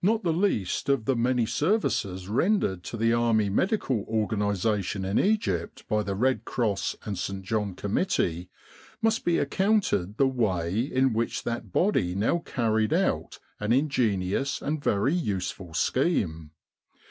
Not the least of the many services rendered to the Army medical organisation in Egypt by the Red Cross and St. John Committee, must be accounted the way in which that body now carried out an ingenious and very useful scheme.